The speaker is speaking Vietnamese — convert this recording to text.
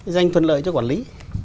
dành thuận lợi cho quản lý